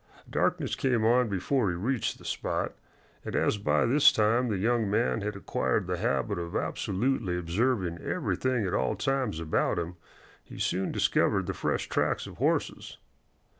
Darkness came on before he reached the spot, and as by this time the young man had acquired the habit of absolutely observing everything at all times about him, he soon discovered the fresh tracks of horses.